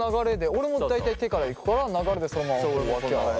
俺も大体手からいくから流れでそのままこうわき洗って。